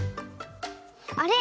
あれ？